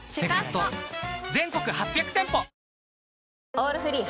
「オールフリー」